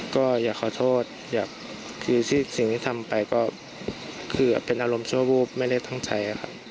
ก็ยังขอโทษยักษ์คือสิ่งที่ทำยังไปก็คือเป็นอารมณ์ชั่วรูปไม่ได้ทั้งใจ